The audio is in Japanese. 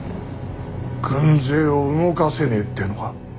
軍勢を動かせねえってのか。